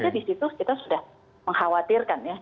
jadi di situ kita sudah mengkhawatirkan ya